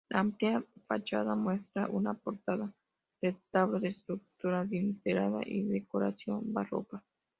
La amplia fachada muestra una portada-retablo de estructura adintelada y decoración barroca.